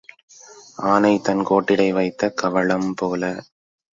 ஆனை தன் கோட்டிடை வைத்த கவளம் போல.